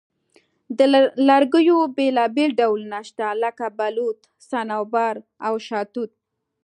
د لرګیو بیلابیل ډولونه شته، لکه بلوط، صنوبر، او شاهتوت.